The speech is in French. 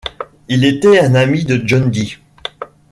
Il était un ami de John Dee.